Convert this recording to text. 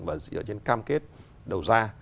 và dựa trên cam kết đầu ra